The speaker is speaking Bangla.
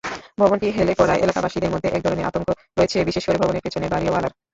ভবনটি হেলে পড়ায় এলাকাবাসীর মধ্যে একধরনের আতঙ্ক রয়েছে, বিশেষ করে ভবনের পেছনের বাড়িওয়ালার।